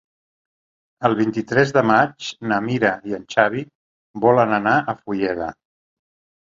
El vint-i-tres de maig na Mira i en Xavi volen anar a Fulleda.